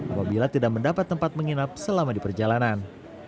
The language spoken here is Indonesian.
apabila tidak mendapat tempat menginap selama di perjalanan